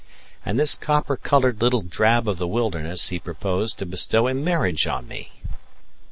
And this copper coloured little drab of the wilderness he proposed to bestow in marriage on me!